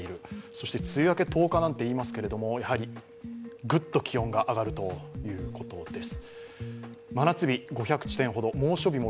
そして梅雨明け１０日なんて言いますけれども、グッと気温が上がるということです。